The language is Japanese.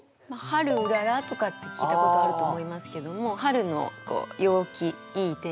「春うらら」とかって聞いたことあると思いますけども春の陽気いい天気